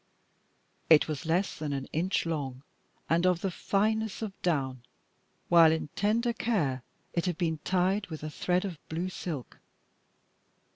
It was less than an inch long, and of the fineness of down, while in tender care it had been tied with a thread of blue silk.